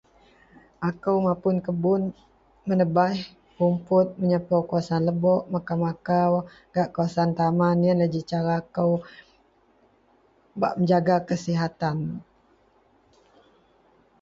Wak esak wak nisak anak umit dagen masyarakat kou yen lah pisak asin. Pisak tibou. Pisak kakeang Serta pisak siben,